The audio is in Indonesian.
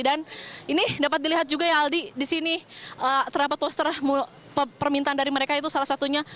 dan ini dapat dilihat juga ya aldi disini terdapat poster permintaan dari mereka itu salah satunya